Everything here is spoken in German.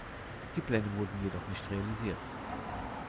Die Pläne wurden jedoch nicht realisiert.